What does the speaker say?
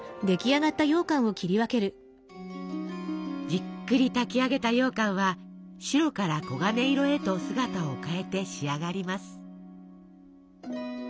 じっくり炊き上げたようかんは白から黄金色へと姿を変えて仕上がります。